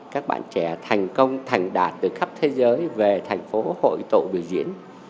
các bạn trẻ thành công thành đạt từ khắp thế giới về thành phố hội tụ biểu diễn